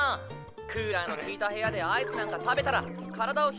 クーラーの効いた部屋でアイスなんか食べたら体を冷やすぞ。